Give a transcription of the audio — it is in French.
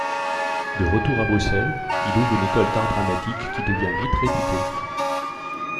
De retour à Bruxelles, il ouvre une école d'art dramatique qui devient vite réputée.